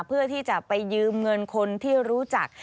เพื่อที่จะไปยืมเงินคนที่รู้จัก